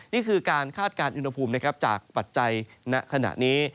นี่คือการคาดการณ์อุณหภูมิจากปัจจัยณขณะนี้